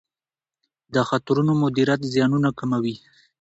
د خطرونو مدیریت زیانونه کموي.